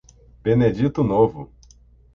Benedito Novo